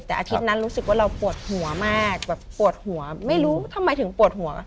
แต่อาทิตย์นั้นรู้สึกว่าเราปวดหัวมากแบบปวดหัวไม่รู้ทำไมถึงปวดหัว